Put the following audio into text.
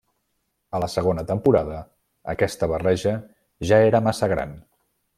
A la segona temporada, aquesta barreja ja era massa gran.